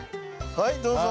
はいどうぞ。